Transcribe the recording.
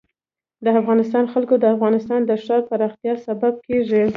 د افغانستان جلکو د افغانستان د ښاري پراختیا سبب کېږي.